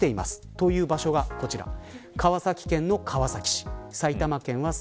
その場所がこちらです。